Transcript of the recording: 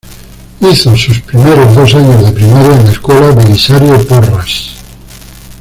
Hizo sus primero dos años de primaria en la escuela Belisario Porras.